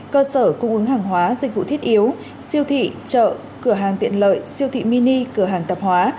cơ sở cung ứng hàng hóa dịch vụ thiết yếu siêu thị chợ cửa hàng tiện lợi siêu thị mini cửa hàng tạp hóa